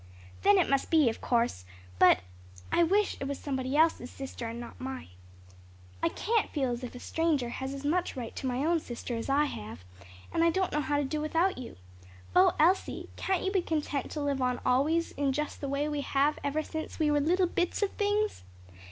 "Then it must be, of course; but I wish it was somebody else's sister and not mine. I can't feel as if a stranger has as much right to my own sister as I have; and I don't know how to do without you. O Elsie, can't you be content to live on always in just the way we have ever since we were little bits of things?"